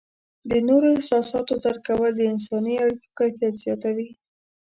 د نورو د احساساتو درک کول د انسانی اړیکو کیفیت زیاتوي.